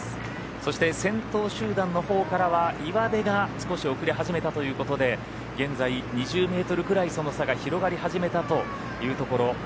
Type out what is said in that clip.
そして先頭集団のほうからは岩出が少し遅れ始めたということで現在２０ｍくらい、その差が広がり始めたというところ。